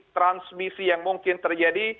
transmisi yang mungkin terjadi